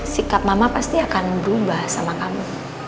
sikap mama pasti akan berubah sama kamu